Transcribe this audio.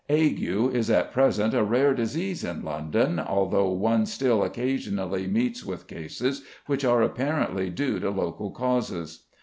Ague is at present a rare disease in London, although one still occasionally meets with cases which are apparently due to local causes.